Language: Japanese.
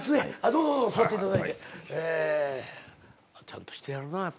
ちゃんとしてはるなぁ。